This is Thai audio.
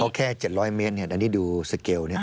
ก็แค่๗๐๐เมตรอันนี้ดูสเกล